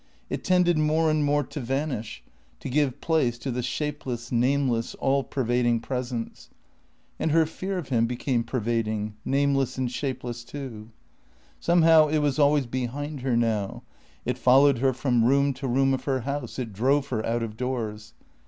It tended more and more to vanish, to give place to the shapeless, nameless, all pervading presence. And her fear of him became pervading, nameless and shapeless too. Somehow it was always behind her now; it followed her from room to room of her house; it drove her out of doors.